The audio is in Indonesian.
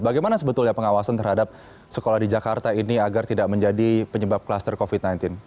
bagaimana sebetulnya pengawasan terhadap sekolah di jakarta ini agar tidak menjadi penyebab klaster covid sembilan belas